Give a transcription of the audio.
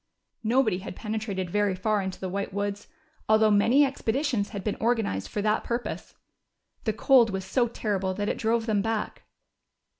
Nobody had penetrated very far into the White Woods, although many expeditions had been organized for that purpose. The cold was so terrible that it drove them back.